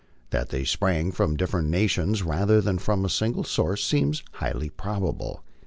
That they sprang from different nations rather than from a single source seems highly probable.